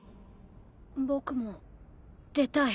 僕も出たい。